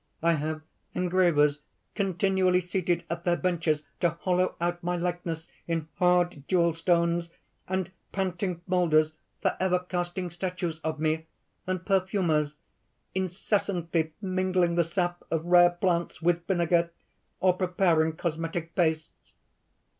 I have engravers continually seated at their benches to hollow out my likeness in hard jewel stones, and panting molders forever casting statues of me, and perfumers incessantly mingling the sap of rare plants with vinegar, or preparing cosmetic pastes.